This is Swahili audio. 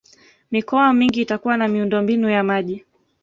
mikoa mingi itakuwa na miundombinu ya maji